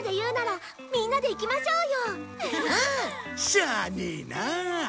しゃあねえな。